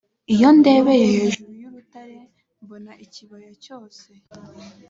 iyo ndebeye hejuru y’urutare mbona ikibaya cyose.